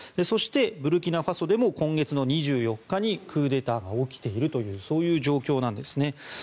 そして、ブルキナファソでも今月２４日にクーデターが起きているという状況なんですね。